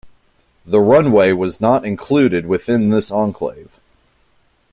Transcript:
The runway was not included within this enclave.